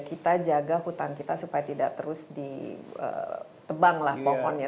kita jaga hutan kita supaya tidak terus ditebang lah pohonnya